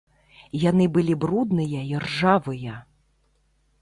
Яны былі брудныя і ржавыя.